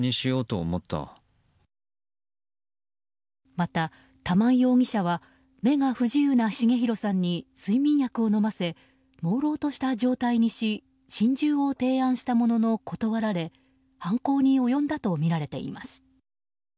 また、玉井容疑者は目が不自由な重弘さんに睡眠薬を飲ませもうろうとした状態にし心中を提案したものの断られ犯行に及んだとみられています。